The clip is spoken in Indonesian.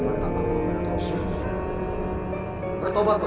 mau seenaknya saja begitu